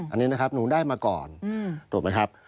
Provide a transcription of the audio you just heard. อันนี้นะครับหนูได้มาก่อนถูกไหมครับ